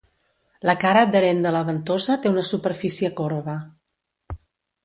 La cara adherent de la ventosa té una superfície corba.